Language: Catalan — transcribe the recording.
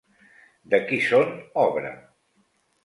De qui són obra?